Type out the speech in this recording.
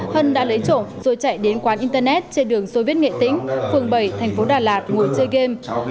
hân đã lấy trộm rồi chạy đến quán internet trên đường xôi viết nghệ tính phường bảy tp đà lạt ngồi chơi game